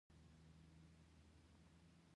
بادي انرژي د افغانانو د فرهنګي پیژندنې برخه ده.